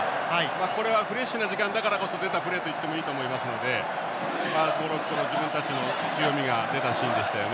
これはフレッシュな時間だからこそ出たプレーだと思いますので自分たちの強みが出たシーンでしたよね。